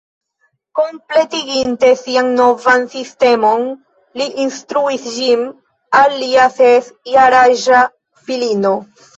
Kompletiginte sian novan sistemon, li instruis ĝin al lia ses jaraĝa filino